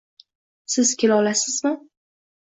Siz kelaolasizmi?